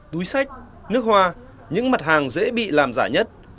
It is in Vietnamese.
túi sách nước hoa những mặt hàng dễ bị làm giả nhất